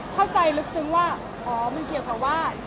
เข้าใจลึกซึ้งว่าอ๋อมันเกี่ยวกับว่า